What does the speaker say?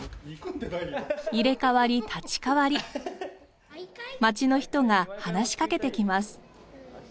入れ代わり立ち代わり町の人が話しかけてきます。